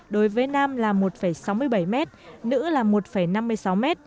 đối với nam là một sáu mươi bảy m nữ là một năm mươi sáu m